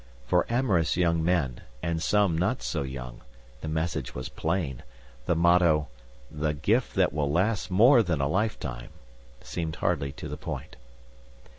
For amorous young men, and some not so young, the message was plain. The motto, "The Gift That Will Last More Than a Lifetime", seemed hardly to the point.